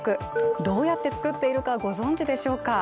どうやって作っているかご存じでしょうか。